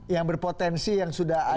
yang berpotensi yang sudah ada